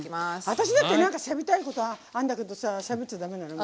私だってなんかしゃべりたいことあんだけどさしゃべっちゃダメなの？